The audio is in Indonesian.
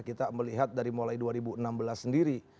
kita melihat dari mulai dua ribu enam belas sendiri